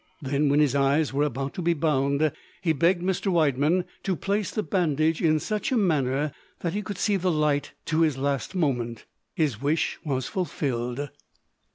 Then, when his eyes were about to be bound, he begged Mr. Widemann to place the bandage in such a manner that he could see the light to his last moment. His wish was fulfilled.